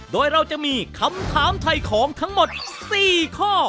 โดยเราจะมีคำถามถ่ายของทั้งหมด๔ข้อ